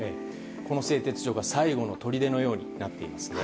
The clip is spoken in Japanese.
この製鉄所が最後のとりでのようになっていますね。